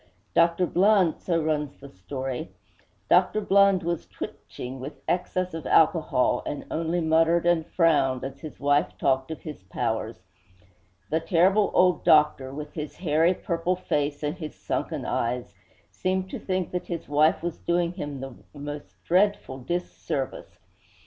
'Dr. Blund,' so runs the story 'Dr. Blund was twitching with excess of alcohol, and only muttered and frowned as his wife talked of his powers. The terrible old doctor, with his hairy, purple face and his sunken eyes, seemed to think that his wife was doing him the most dreadful dis service.